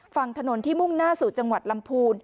ฝั่งถนนที่มุ่งหน้าสู่จังหวัดลำพูน